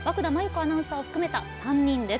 アナウンサーを含めた３人です。